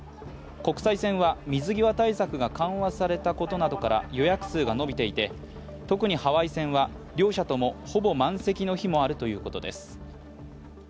国際線は水際対策が緩和されたことなどから予約数が伸びていて特にハワイ線は両社ともほぼ満席の日もあるということです。